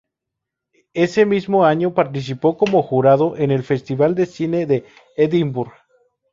Ese mismo año participó como jurado en el festival de cine de Edinburgh.